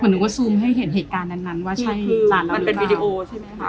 หวังถึงว่าซู่มให้เห็นเหตุการณ์กันนั้นว่าใช่จานนี้มั้ย